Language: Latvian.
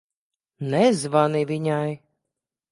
Nezvani viņai.